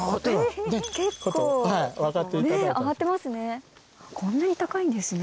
え結構上がってますね。